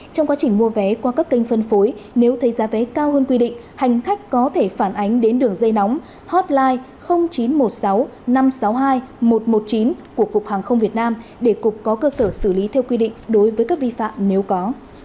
trong quá trình mua vé qua các kênh phân phối nếu thấy giá vé cao hơn quy định hành khách có thể phản ánh đến đường dây nóng hotline chín trăm một mươi sáu năm trăm sáu mươi hai một trăm một mươi chín của cục hàng không việt nam để cục có cơ sở xử lý theo quy định đối với các vi phạm nếu có